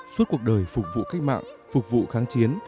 suốt cuộc đời phục vụ cách mạng phục vụ kháng chiến